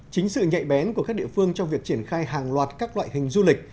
chính sự nhạy bén của các địa phương trong việc triển khai hàng loạt các loại hình du lịch